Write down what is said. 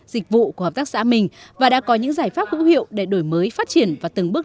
dịch vụ của hợp tác xã mình và đã có những giải pháp hữu hiệu để đổi mới phát triển và từng bước